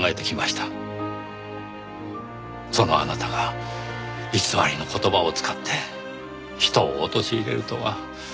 そのあなたが偽りの言葉を使って人を陥れるとは。